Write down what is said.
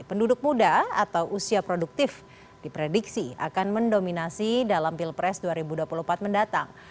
penduduk muda atau usia produktif diprediksi akan mendominasi dalam pilpres dua ribu dua puluh empat mendatang